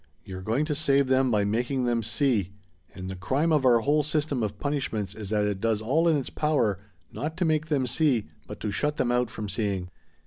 You're going to save them by making them see. And the crime of our whole system of punishments is that it does all in its power, not to make them see, but to shut them out from seeing...."